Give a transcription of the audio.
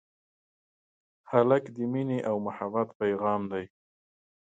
هلک د مینې او محبت پېغام دی.